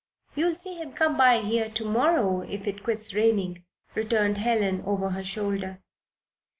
"You'll see him come by here to morrow, if it quits raining," returned Helen, over her shoulder.